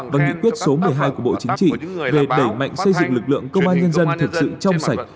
và nghị quyết số một mươi hai của bộ chính trị về đẩy mạnh xây dựng lực lượng công an nhân dân thật sự trong sạch